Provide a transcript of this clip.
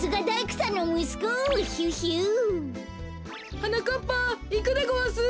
はなかっぱいくでごわす！